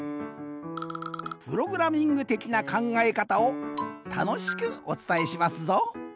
プログラミングてきなかんがえかたをたのしくおつたえしますぞ。